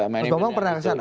mas babang pernah kesana